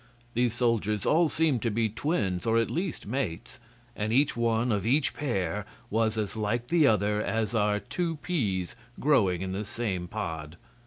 These soldiers all seemed to be twins, or at least mates, and each one of each pair was as like the other as are two peas growing in the same pod.